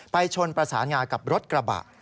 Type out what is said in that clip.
ชนประสานงากับรถกระบะ